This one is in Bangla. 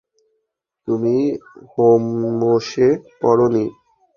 তুমি হোমসে পড় নি?